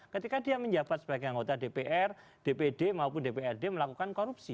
ketika dia menjabat sebagai anggota dpr dpd maupun dprd melakukan korupsi